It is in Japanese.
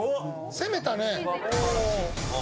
攻めたね。